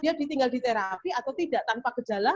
dia ditinggal di terapi atau tidak tanpa gejala